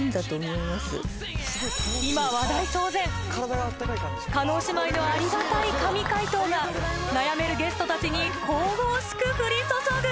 今話題騒然叶姉妹のありがたい神回答が悩めるゲストたちに神々しく降り注ぐ！